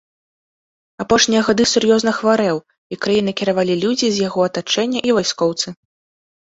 Апошнія гады сур'ёзна хварэў, і краінай кіравалі людзі з яго атачэння і вайскоўцы.